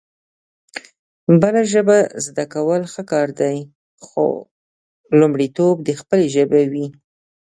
بله ژبه زده کول ښه کار دی خو لومړيتوب د خپلې ژبې وي